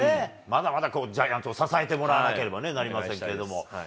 まだまだジャイアンツを支えてもらわなければなりませんけれども。